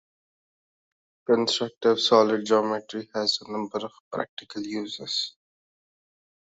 Constructive solid geometry has a number of practical uses.